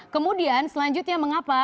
kemudian selanjutnya mengapa